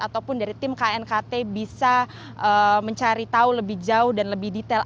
ataupun dari tim knkt bisa mencari tahu lebih jauh dan lebih detail